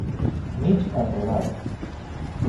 Mig enrunada.